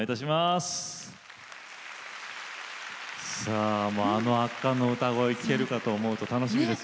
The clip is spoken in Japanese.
あの圧巻の歌声を聴けるかと思うと楽しみです。